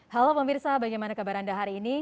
halo pemirsa bagaimana kabar anda hari ini